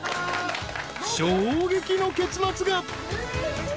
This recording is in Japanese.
［衝撃の結末が］